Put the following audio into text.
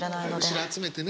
後ろ集めてね。